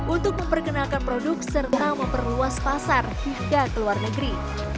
untuk memperkenalkan produk serta memperluas pasar hingga ke luar negeri